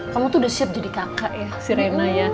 kamu tuh udah siap jadi kakak ya si rena ya